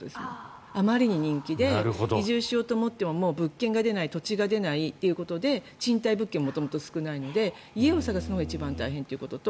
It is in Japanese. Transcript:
あまりに人気で移住しようと思っても物件が出ない土地が出ないということで賃貸物件が元々少ないので家を探すのが一番大変ということと。